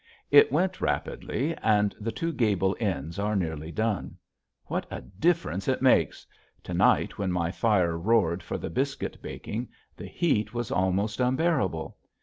It went rapidly and the two gable ends are nearly done. What a difference it makes; to night when my fire roared for the biscuit baking the heat was almost unbearable.